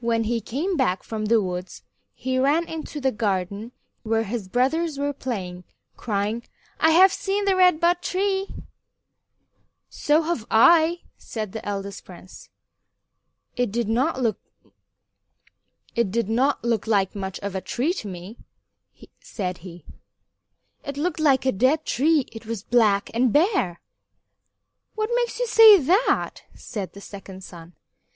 When he came back from the woods he ran into the garden where his brothers were playing, crying, "I have seen the Red Bud Tree." "So have I," said the eldest prince. "It did not look like much of a tree to me," said he; "it looked like a dead tree. It was black and bare." "What makes you say that?" said the second son.